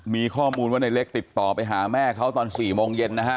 มีข้อมูลว่าในเล็กติดต่อไปหาแม่เขาตอน๔โมงเย็นนะฮะ